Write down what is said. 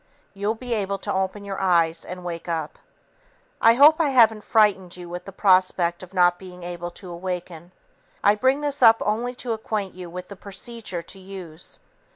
You'll be able to open your eyes and wake up. I hope I haven't frightened you with the prospect of not being able to awaken. I bring this up only to acquaint you with the procedure to use.